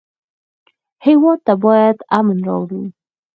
هېواد ته باید امن راوړو